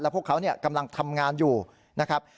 พวกเขากำลังทำงานอยู่นะครับ